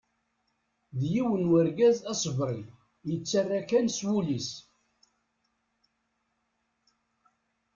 D yiwen n urgaz asebri, yettarra kan s ul-is.